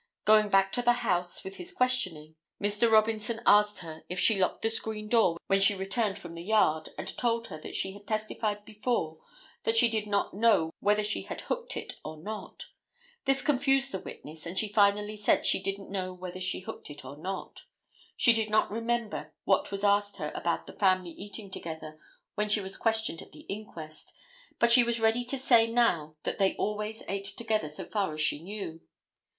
Going back to the house with his questioning Mr. Robinson asked her if she locked the screen door when she returned from the yard, and told her that she had testified before that she did not know whether she had hooked it or not. This confused the witness and she finally said she didn't know whether she hooked it or not. She did not remember what was asked her about the family eating together, when she was questioned at the inquest, but she was ready to say now that they always ate together so far as she knew.